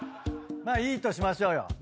まあいいとしましょうよ。